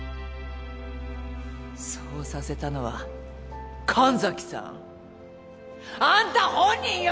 そうさせたのは神崎さんあんた本人よ！